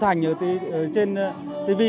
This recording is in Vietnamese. thành trên tv